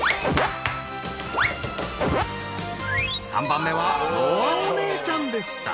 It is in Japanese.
３番目は希歩お姉ちゃんでした。